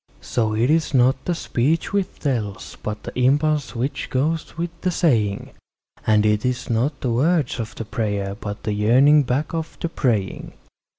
So it is not the speech which tells, but the impulse which goes with the saying; And it is not the words of the prayer, but the yearning back of the praying.